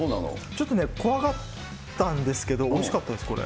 ちょっとね、怖がったんですけど、おいしかったです、これ。